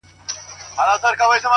ما اکثر هغه وطنوال پوښتلي دی